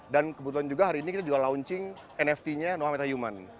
dan kebetulan juga hari ini kita juga launching nft nya noah metahuman